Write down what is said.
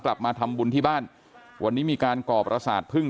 กลับมาทำบุญที่บ้านวันนี้มีการก่อประสาทพึ่ง